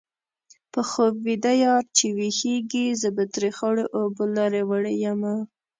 په خوب ویده یار چې ويښېږي-زه به ترې خړو اوبو لرې وړې یمه